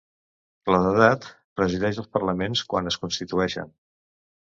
La d'edat presideix els parlaments quan es constitueixen.